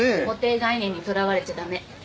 固定概念にとらわれちゃ駄目。